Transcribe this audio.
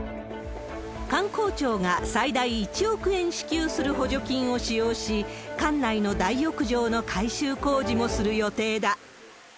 観光庁が最大１億円支給する補助金を使用し、館内の大浴場の改修工事もする予定だ。